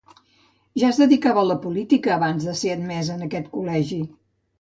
Ja es dedicava a la política abans de ser admès en aquest col·legi.